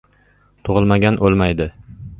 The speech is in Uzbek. • Tug‘ilmagan o‘lmaydi.